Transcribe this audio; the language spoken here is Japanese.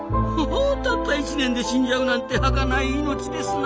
たった１年で死んじゃうなんてはかない命ですな。